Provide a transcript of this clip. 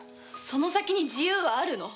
その先に自由はあるの？